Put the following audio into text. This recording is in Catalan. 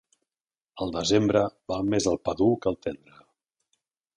Al desembre val més el pa dur que el tendre.